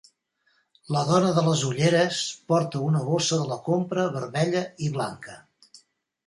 La dona de les ulleres porta una bossa de la compra vermella i blanca.